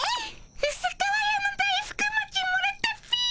うす皮屋の大福もちもらったっピィ！